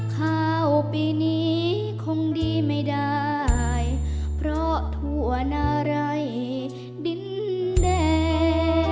ข้าวปีนี้คงดีไม่ได้เพราะทั่วนารัยดินแดง